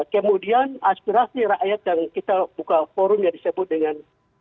kemudian aspirasi rakyat yang kita buka forum yang disebut dengan